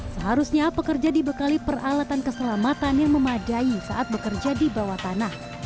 seharusnya pekerja dibekali peralatan keselamatan yang memadai saat bekerja di bawah tanah